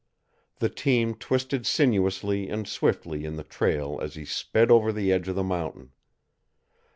The team twisted sinuously and swiftly in the trail as he sped over the edge of the mountain.